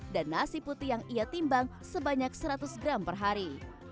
dan nasi putih yang ia timbang sebanyak seratus gram per hari